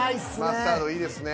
マスタードいいですね。